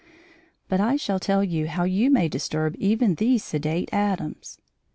But I shall tell you how you may disturb even these sedate atoms.